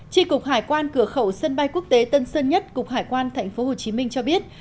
tri cục hải quan cửa khẩu sân bay quốc tế tân sơn nhất cục hải quan tp hcm cho biết